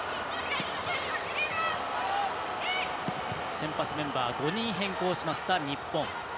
先発メンバー５人変更しました日本。